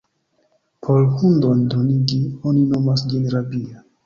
Por hundon dronigi, oni nomas ĝin rabia.